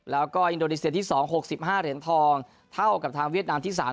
แล้วก็อินโดนีเซียที่สองหกสิบห้าเหรียญทองเท่ากับทางเวียดนามที่สาม